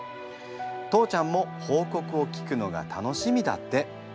父ちゃんも報告を聞くのが楽しみだって。